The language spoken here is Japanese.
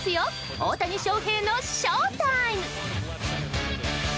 大谷翔平のショータイム！